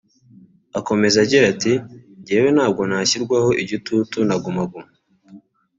Akomeza agira ati “ Njyewe ntabwo nashyirwaho igitutu na Guma Guma